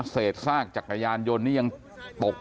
เศษซากจักรยานยนต์นี่ยังตก